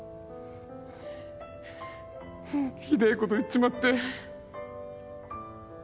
ひでえこと言っちまって。